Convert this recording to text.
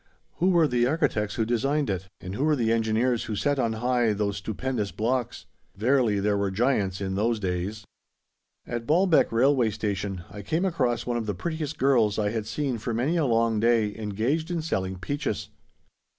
Who were the architects who designed it? and who were the engineers who set on high those stupendous blocks? Verily there were giants in those days. At Baalbek railway station I came across one of the prettiest girls I had seen for many a long day engaged in selling peaches.